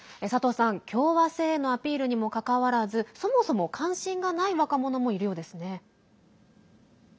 共和制へのアピールにもかかわらずそもそも関心がない若者もいるようですね。